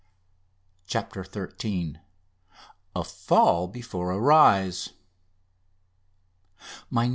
CHAPTER XIII A FALL BEFORE A RISE My "No.